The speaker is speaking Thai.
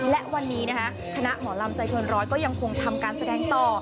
และวันนี้นะคะคณะหมอลำใจเกินร้อยก็ยังคงทำการแสดงต่อ